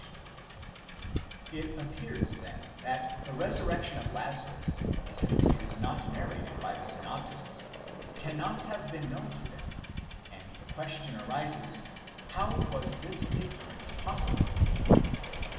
493 It appears then that the resurrection of Lazarus, since it is not narrated by the synoptists, cannot have been known to them; and the question arises, how was this ignorance possible?